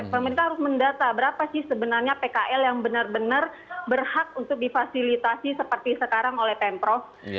pemerintah harus mendata berapa sih sebenarnya pkl yang benar benar berhak untuk difasilitasi seperti sekarang oleh pemprov